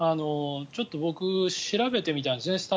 ちょっと僕、調べてみたんですね